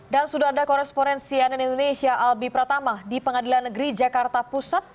dan sudah ada koresponensi anen indonesia albi pratama di pengadilan negeri jakarta pusat